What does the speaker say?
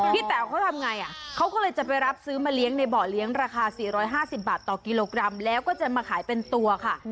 แต๋วเขาทำไงเขาก็เลยจะไปรับซื้อมาเลี้ยงในเบาะเลี้ยงราคา๔๕๐บาทต่อกิโลกรัมแล้วก็จะมาขายเป็นตัวค่ะ